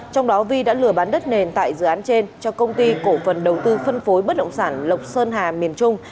trong đó vi đã lừa bán đất nền tại dự án trên cho công ty cổ phần đầu tư phân phối bất động sản lộc sơn hà miền trung